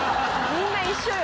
みんな一緒よ